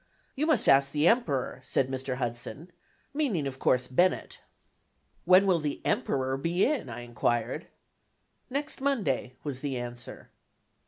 "You must ask the Emperor," said Mr. Hudson, meaning of course Bennett. "When will the 'Emperor' be in?" I inquired; "next Monday," was the answer.